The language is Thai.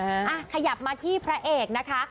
อ่ะขยับมาที่พระเอกนะคะ